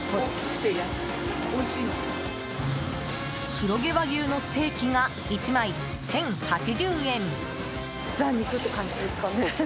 黒毛和牛のステーキが１枚１０８０円。